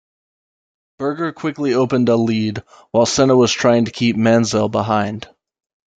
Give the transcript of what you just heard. Berger quickly opened a lead while Senna was trying to keep Mansell behind.